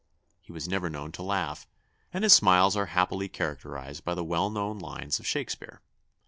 He was never known to laugh, and his smiles are happily characterised by the well known lines of Shakespeare.